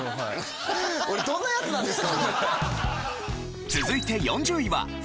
俺どんな奴なんですか。